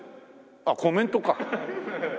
あっコメントか。